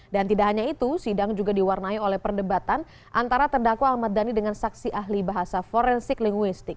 dan tidak hanya itu sidang juga diwarnai oleh perdebatan antara terdakwa ahmad dhani dengan saksi ahli bahasa forensik linguistik